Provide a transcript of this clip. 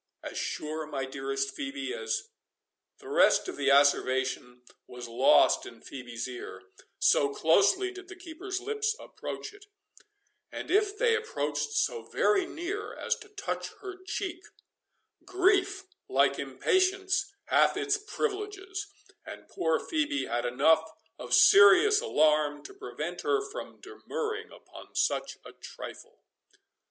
"As sure, my dearest Phœbe, as"— The rest of the asseveration was lost in Phœbe's ear, so closely did the keeper's lips approach it; and if they approached so very near as to touch her cheek, grief, like impatience, hath its privileges, and poor Phœbe had enough of serious alarm to prevent her from demurring upon such a trifle.